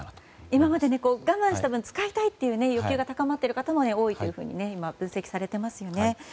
今まで我慢した分使いたいという欲求が高まっている方も多いと分析されていますよね。